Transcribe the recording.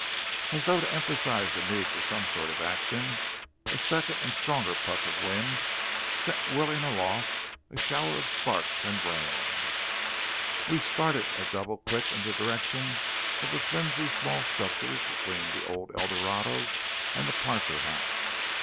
As though to emphasize the need for some sort of action, a second and stronger puff of wind sent whirling aloft a shower of sparks and brands. We started at double quick in the direction of the flimsy small structures between the old El Dorado and the Parker House.